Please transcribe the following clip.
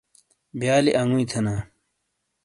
بیالی انگویی تھینا،